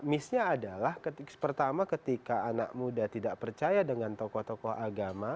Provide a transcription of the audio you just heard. missnya adalah pertama ketika anak muda tidak percaya dengan tokoh tokoh agama